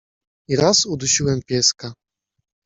i raz udusiłem pieska.